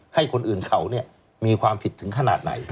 ให้คนอื่นเขามีความผิดถึงขนาดไหน